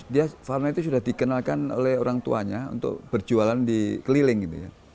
dia farma itu sudah dikenalkan oleh orang tuanya untuk berjualan di keliling gitu ya